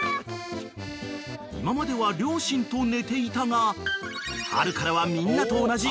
［今までは両親と寝ていたが春からはみんなと同じ］